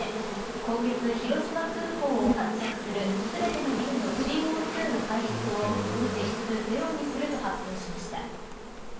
今月広島空港を発着する全ての便のＣＯ２の排出を実質ゼロにすると発表しました。